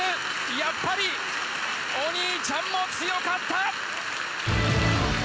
やっぱりお兄ちゃんも強かった！